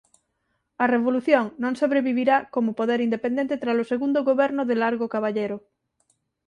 A revolución non sobrevivirá como poder independente tralo segundo goberno de Largo Caballero.